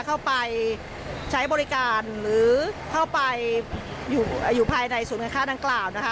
เข้าไปใช้บริการหรือเข้าไปอยู่ภายในศูนย์การค้าดังกล่าวนะคะ